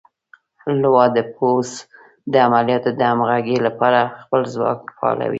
لوا د پوځ د عملیاتو د همغږۍ لپاره خپل ځواک فعالوي.